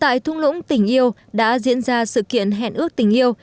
tại thung lũng tình yêu đã diễn ra sự kiện hẹn ước tình yêu